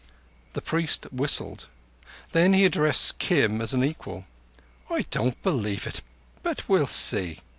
The priest whistled; then he addressed Kim as an equal. "I don't believe it; but we'll see.